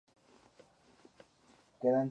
Se encuentra en Nueva Zelanda y Chile.